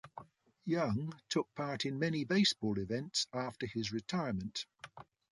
Young took part in many baseball events after his retirement.